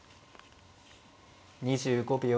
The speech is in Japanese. ２５秒。